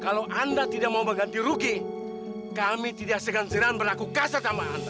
kalau anda tidak mau mengganti rugi kami tidak segan senang berlaku kasar sama anda